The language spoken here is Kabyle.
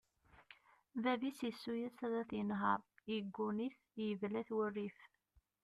Bab-is yessuyes ad t-yenher, yegguni-t, yebla-t wurrif.